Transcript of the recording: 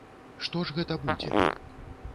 Што ж гэта будзе?